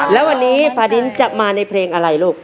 แล้ววันนี้ฟาดินจะมาในเพลงอะไรลูก